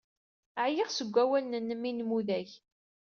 Ɛyiɣ seg wawalen-nnem inmudag.